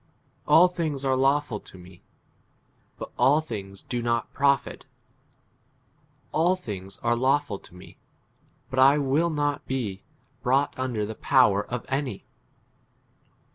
12 All things are lawful to me, but all things do not profit ; all things are lawful to me, but J will not be brought under the power of any.